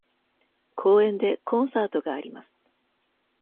公園でコンサートがあります。